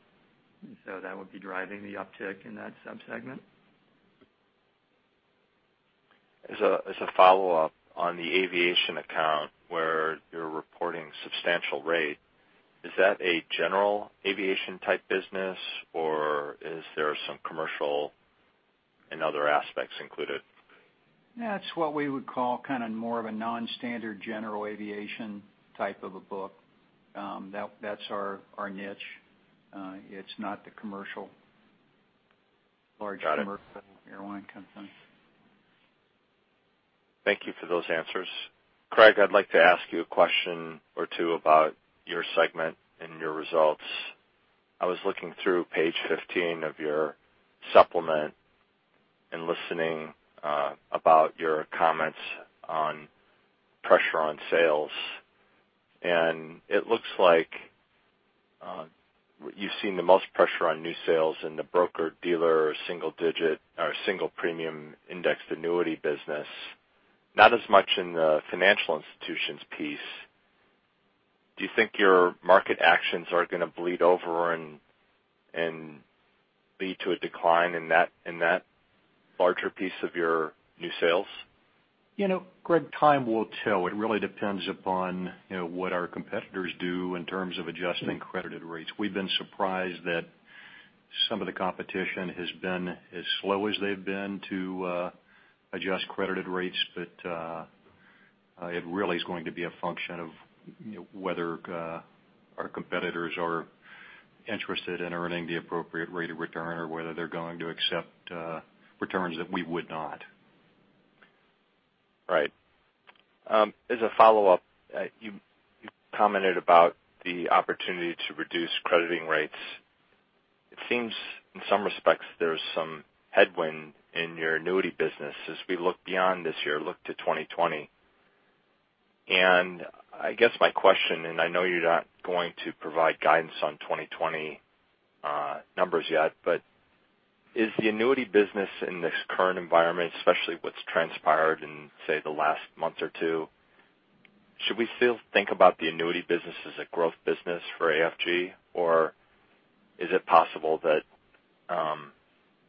would be driving the uptick in that sub-segment. As a follow-up, on the aviation account where you are reporting substantial rate, is that a general aviation type business, or is there some commercial and other aspects included? That is what we would call kind of more of a non-standard general aviation type of a book. That is our niche. It is not the commercial, large- Got it commercial airline company. Thank you for those answers. Craig, I'd like to ask you a question or two about your segment and your results. I was looking through page 15 of your supplement and listening about your comments on pressure on sales. It looks like you've seen the most pressure on new sales in the broker dealer, or single premium indexed annuity business, not as much in the financial institutions piece. Do you think your market actions are going to bleed over and lead to a decline in that larger piece of your new sales? You know, Greg, time will tell. It really depends upon what our competitors do in terms of adjusting credited rates. We've been surprised that some of the competition has been as slow as they've been to adjust credited rates. It really is going to be a function of whether our competitors are interested in earning the appropriate rate of return or whether they're going to accept returns that we would not. Right. As a follow-up, you commented about the opportunity to reduce crediting rates. It seems, in some respects, there's some headwind in your annuity business as we look beyond this year, look to 2020. I guess my question, and I know you're not going to provide guidance on 2020 numbers yet, but is the annuity business in this current environment, especially what's transpired in, say, the last month or two, should we still think about the annuity business as a growth business for AFG? Or is it possible that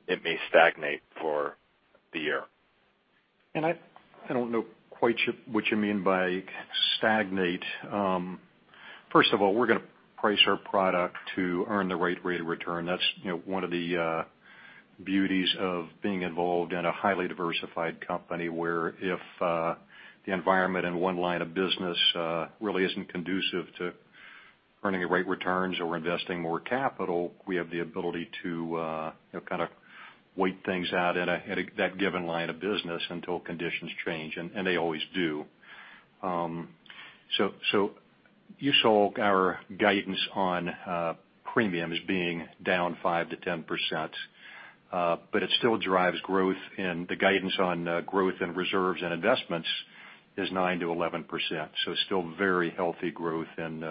it may stagnate for the year? I don't know quite what you mean by stagnate. First of all, we're going to price our product to earn the right rate of return. That's one of the beauties of being involved in a highly diversified company, where if the environment in one line of business really isn't conducive to earning the right returns or investing more capital, we have the ability to kind of wait things out at that given line of business until conditions change, and they always do. You saw our guidance on premiums being down 5%-10%, but it still drives growth, and the guidance on growth and reserves and investments is 9%-11%. Still very healthy growth in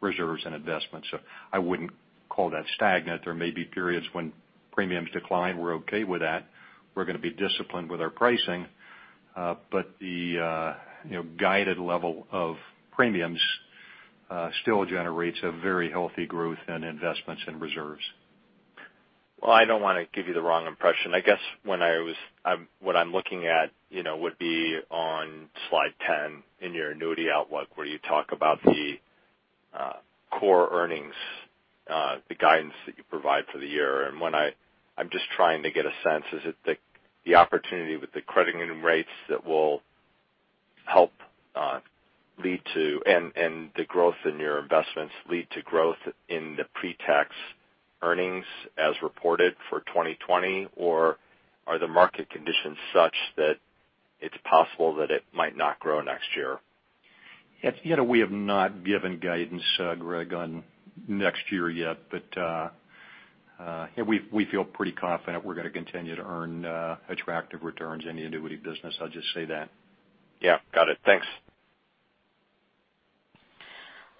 reserves and investments. I wouldn't call that stagnant. There may be periods when premiums decline. We're okay with that. We're going to be disciplined with our pricing. The guided level of premiums still generates a very healthy growth in investments and reserves. Well, I don't want to give you the wrong impression. I guess what I'm looking at would be on slide 10 in your annuity outlook, where you talk about the core earnings, the guidance that you provide for the year. I'm just trying to get a sense. Is it the opportunity with the crediting rates and the growth in your investments lead to growth in the pre-tax earnings as reported for 2020? Or are the market conditions such that it's possible that it might not grow next year? We have not given guidance, Greg, on next year yet. We feel pretty confident we're going to continue to earn attractive returns in the annuity business, I'll just say that. Yeah. Got it. Thanks.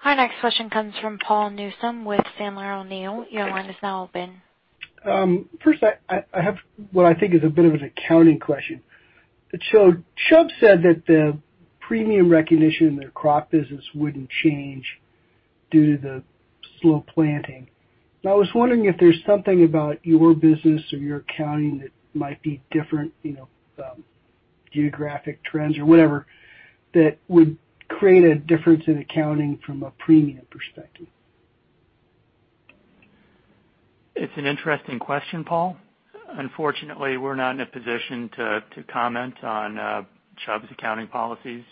Our next question comes from Paul Newsome with Sandler O'Neill. Your line is now open. First, I have what I think is a bit of an accounting question. Chubb said that the premium recognition in their crop business wouldn't change due to the slow planting. I was wondering if there's something about your business or your accounting that might be different, geographic trends or whatever, that would create a difference in accounting from a premium perspective. It's an interesting question, Paul. Unfortunately, we're not in a position to comment on Chubb's accounting policies.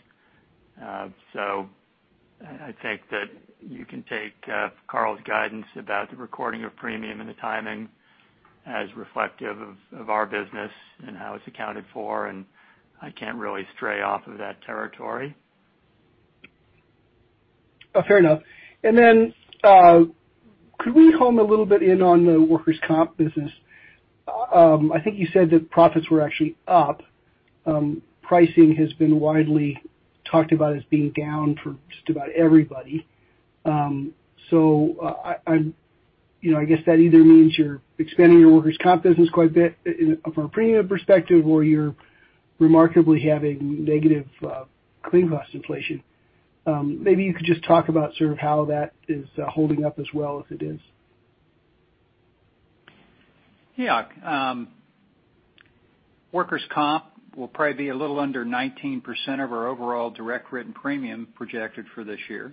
I think that you can take Carl's guidance about the recording of premium and the timing as reflective of our business and how it's accounted for, and I can't really stray off of that territory. Fair enough. Then could we home a little bit in on the workers' comp business? I think you said that profits were actually up. Pricing has been widely talked about as being down for just about everybody. I guess that either means you're expanding your workers' comp business quite a bit from a premium perspective, or you remarkably have a negative claim cost inflation. Maybe you could just talk about how that is holding up as well as it is. Yeah. Workers' comp will probably be a little under 19% of our overall direct written premium projected for this year.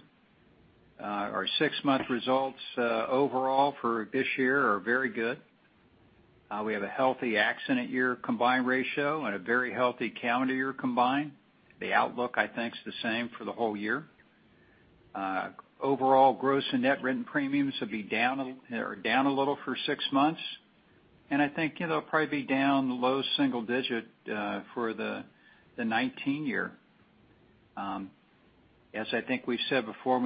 Our six-month results overall for this year are very good. We have a healthy accident year combined ratio and a very healthy calendar year combined. The outlook, I think, is the same for the whole year. Overall, gross and net written premiums will be down a little for six months, and I think they'll probably be down low single digit for the 2019 year. As I think we've said before,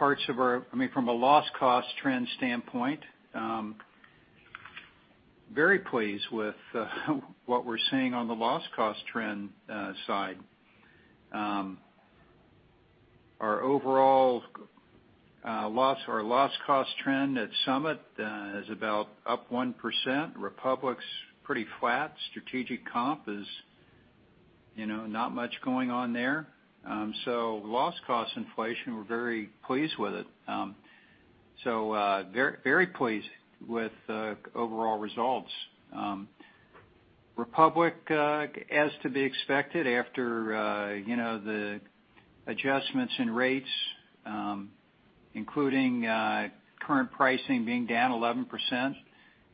from a loss cost trend standpoint, very pleased with what we're seeing on the loss cost trend side. Our overall loss or loss cost trend at Summit is about up 1%. Republic's pretty flat. Strategic Comp is not much going on there. Loss cost inflation, we're very pleased with it. Very pleased with the overall results. Republic, as to be expected after the adjustments in rates, including current pricing being down 11%.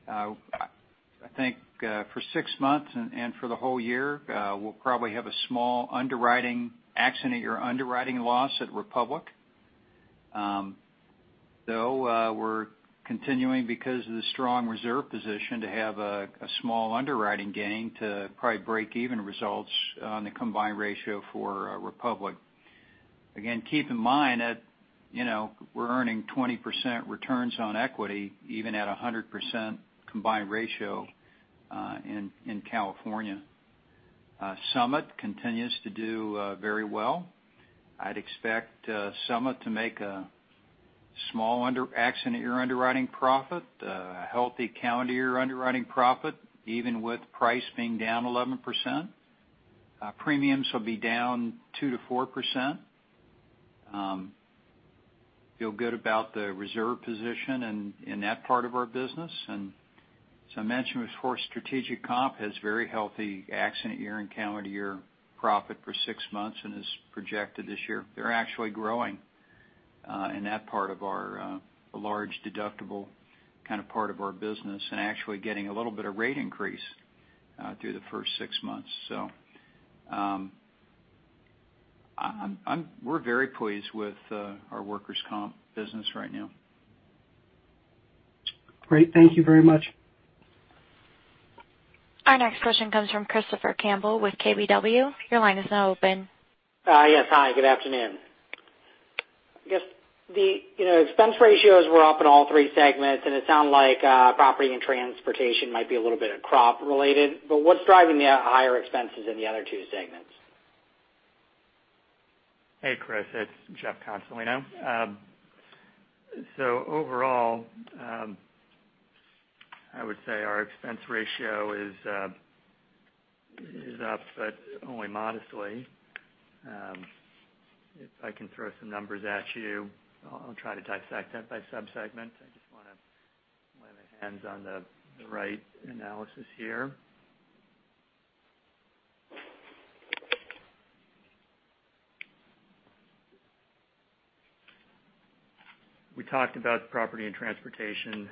I think for six months and for the whole year, we'll probably have a small underwriting accident year underwriting loss at Republic, though we're continuing because of the strong reserve position to have a small underwriting gain to probably break even results on the combined ratio for Republic. Again, keep in mind that we're earning 20% returns on equity even at 100% combined ratio in California. Summit continues to do very well. I'd expect Summit to make a small accident year underwriting profit, a healthy calendar year underwriting profit, even with price being down 11%. Premiums will be down 2%-4%. Feel good about the reserve position in that part of our business. As I mentioned before, Strategic Comp has very healthy accident year and calendar year profit for six months and is projected this year. They're actually growing in that part of our large deductible kind of part of our business and actually getting a little bit of rate increase through the first six months. We're very pleased with our workers' comp business right now. Great. Thank you very much. Our next question comes from Christopher Campbell with KBW. Your line is now open. Yes. Hi, good afternoon. I guess the expense ratios were up in all three segments, and it sounded like Property and Transportation might be a little bit of crop related, but what's driving the higher expenses in the other two segments? Hey, Chris. It's Jeff Consolino. Overall, I would say our expense ratio is up, but only modestly. If I can throw some numbers at you, I'll try to dissect that by sub-segment. I just want to lay my hands on the right analysis here. We talked about the Property and Transportation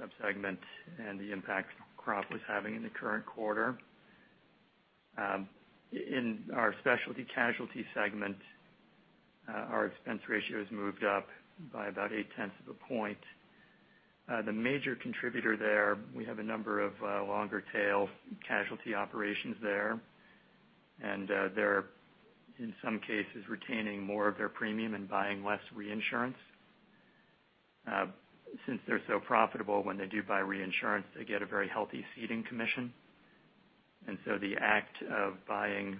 sub-segment and the impact crop was having in the current quarter. In our Specialty Casualty segment, our expense ratio has moved up by about eight tenths of a point. The major contributor there, we have a number of longer tail casualty operations there, and they're, in some cases, retaining more of their premium and buying less reinsurance. Since they're so profitable when they do buy reinsurance, they get a very healthy ceding commission. The act of buying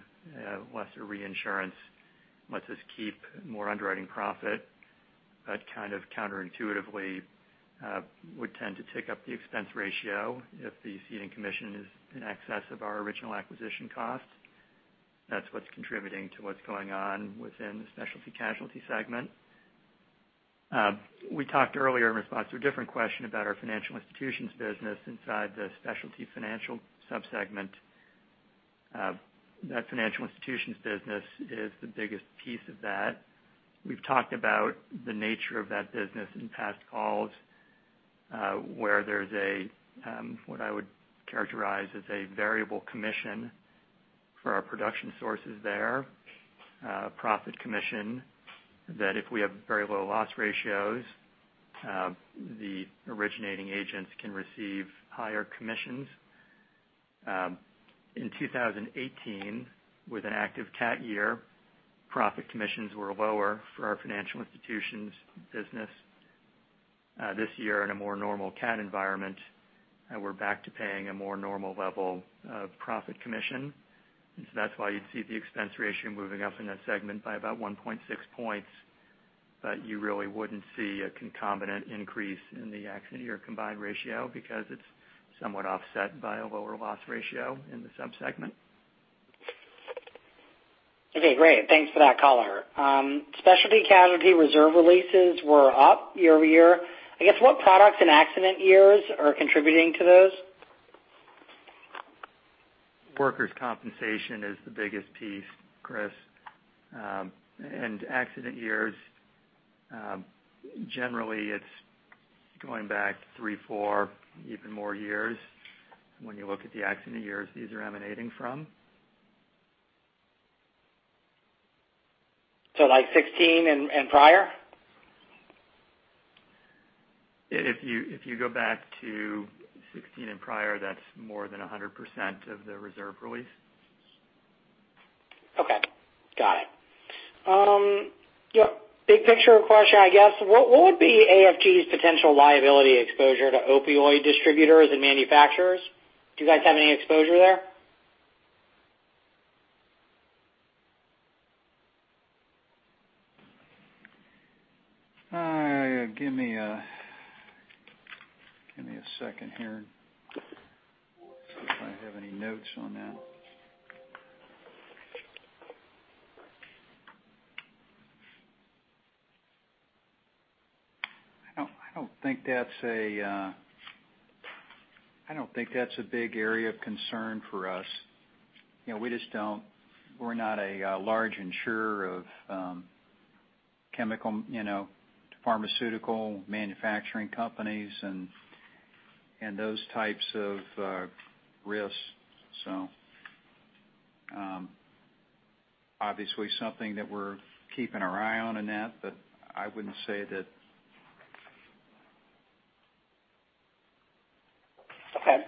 lesser reinsurance lets us keep more underwriting profit, but kind of counterintuitively would tend to tick up the expense ratio if the ceding commission is in excess of our original acquisition cost. That's what's contributing to what's going on within the Specialty Casualty segment. We talked earlier in response to a different question about our financial institutions business inside the Specialty Financial sub-segment. That financial institutions business is the biggest piece of that. We've talked about the nature of that business in past calls, where there's what I would characterize as a variable commission for our production sources there, a profit commission that if we have very low loss ratios, the originating agents can receive higher commissions. In 2018, with an active cat year, profit commissions were lower for our financial institutions business. This year in a more normal cat environment- We're back to paying a more normal level of profit commission. That's why you'd see the expense ratio moving up in that segment by about 1.6 points. You really wouldn't see a concomitant increase in the accident year combined ratio because it's somewhat offset by a lower loss ratio in the sub-segment. Okay, great. Thanks for that color. Specialty Casualty reserve releases were up year-over-year. What products and accident years are contributing to those? Workers' compensation is the biggest piece, Chris. Accident years, generally, it's going back three, four, even more years when you look at the accident years these are emanating from. Like 2016 and prior? If you go back to 2016 and prior, that's more than 100% of the reserve release. Okay. Got it. Big picture question, I guess, what would be AFG's potential liability exposure to opioid distributors and manufacturers? Do you guys have any exposure there? Give me a second here. If I have any notes on that. I don't think that's a big area of concern for us. We're not a large insurer of chemical, pharmaceutical manufacturing companies, and those types of risks. Obviously something that we're keeping our eye on in that, but I wouldn't say that. Okay.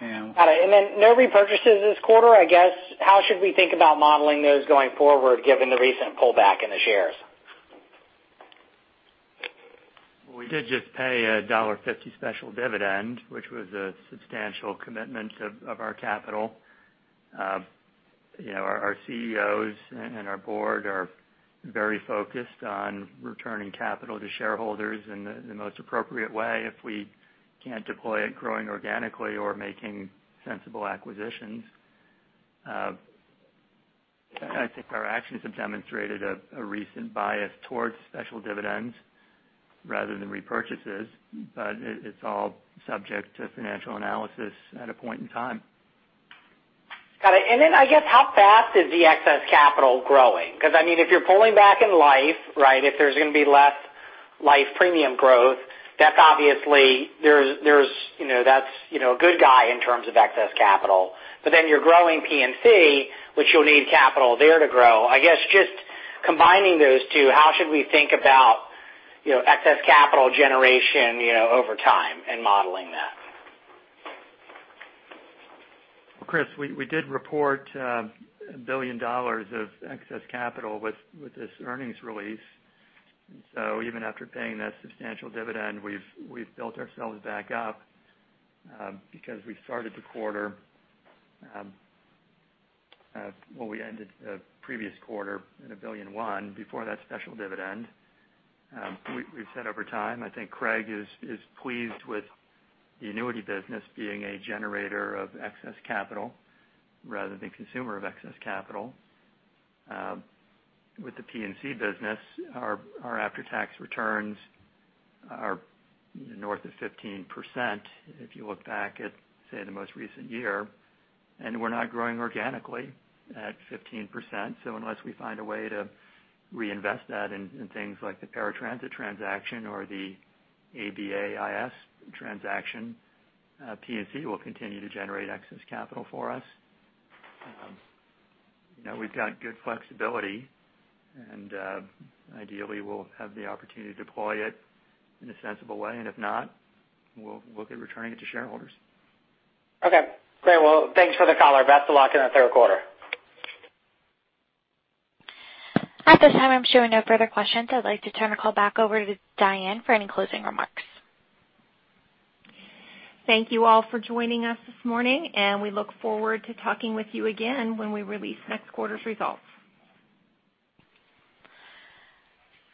And- Got it. No repurchases this quarter. I guess, how should we think about modeling those going forward, given the recent pullback in the shares? We did just pay a $1.50 special dividend, which was a substantial commitment of our capital. Our CEOs and our board are very focused on returning capital to shareholders in the most appropriate way if we can't deploy it growing organically or making sensible acquisitions. I think our actions have demonstrated a recent bias towards special dividends rather than repurchases, but it's all subject to financial analysis at a point in time. Got it. I guess, how fast is the excess capital growing? If you're pulling back in life, if there's going to be less life premium growth, that's a good guy in terms of excess capital. You're growing P&C, which you'll need capital there to grow. I guess, just combining those two, how should we think about excess capital generation over time and modeling that? Chris, we did report $1 billion of excess capital with this earnings release. Even after paying that substantial dividend, we've built ourselves back up because we started the quarter, well we ended the previous quarter in $1.1 billion before that special dividend. We've said over time, I think Craig is pleased with the annuity business being a generator of excess capital rather than consumer of excess capital. With the P&C business, our after-tax returns are north of 15%, if you look back at, say, the most recent year, and we're not growing organically at 15%. Unless we find a way to reinvest that in things like the Paratransit transaction or the ABA IS transaction, P&C will continue to generate excess capital for us. We've got good flexibility, and ideally, we'll have the opportunity to deploy it in a sensible way, and if not, we'll look at returning it to shareholders. Okay. Great. Well, thanks for the color. Best of luck in the third quarter. At this time, I'm showing no further questions. I'd like to turn the call back over to Diane for any closing remarks. Thank you all for joining us this morning. We look forward to talking with you again when we release next quarter's results.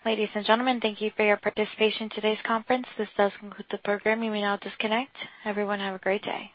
Ladies and gentlemen, thank you for your participation in today's conference. This does conclude the program. You may now disconnect. Everyone, have a great day.